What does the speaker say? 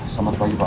selamat pagi pak